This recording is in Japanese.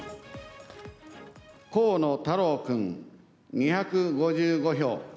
河野太郎君、２５５票。